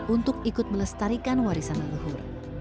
untuk ikut melestarikan warisan leluhur